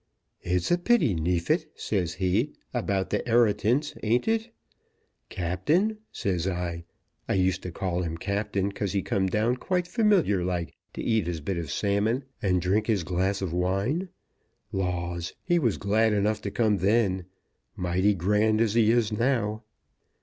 'It's a pity, Neefit,' says he,' about the 'eritance; ain't it?' 'Captain,' says I, I used to call him Captain 'cause he come down quite familiar like to eat his bit of salmon and drink his glass of wine. Laws, he was glad enough to come then, mighty grand as he is now."